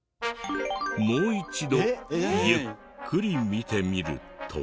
もう一度ゆっくり見てみると。